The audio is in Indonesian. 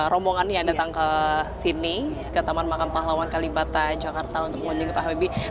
rombongan yang datang ke sini ke taman makam pahlawan kalibata jakarta untuk mengunjungi pak habibie